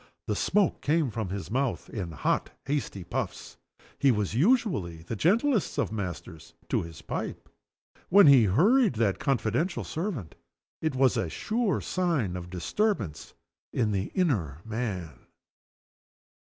The smoke came from his mouth in hot and hasty puffs. He was usually the gentlest of masters to his pipe. When he hurried that confidential servant, it was a sure sign of disturbance in the inner man.